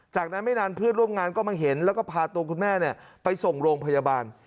จากนั้นไม่นานเพื่อนร่วมงานก็มาเห็นแล้วก็พาตัวคุณแม่ไปส่งโรงพยาบาล